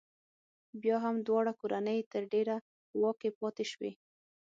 بیا هم دواړه کورنۍ تر ډېره په واک کې پاتې شوې.